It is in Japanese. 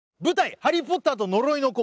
「ハリー・ポッターと呪いの子」